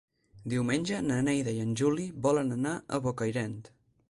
Diumenge na Neida i en Juli volen anar a Bocairent.